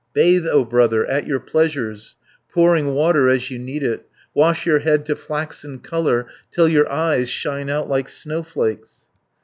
Bathe, O brother, at your pleasures, Pouring water as you need it, Wash your head to flaxen colour, Till your eyes shine out like snowflakes."